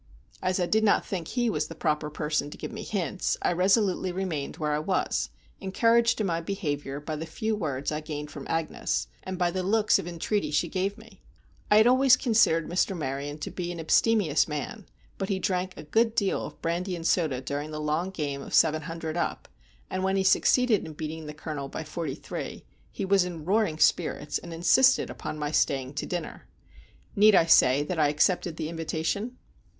As I did not think he was the proper person to give me hints, I resolutely remained where I was, encouraged in my behavior by the few words I gained from Agnes, and by the looks of entreaty she gave me. I had always considered Mr. Maryon to be an abstemious man, but he drank a good deal of brandy and soda during the long game of seven hundred up, and when he succeeded in beating the Colonel by forty three, he was in roaring spirits, and insisted upon my staying to dinner. Need I say that I accepted the invitation?